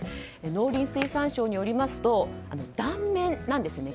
農林水産省によりますと断面なんですね。